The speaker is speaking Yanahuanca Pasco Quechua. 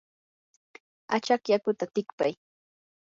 achaq yakuta tikpay.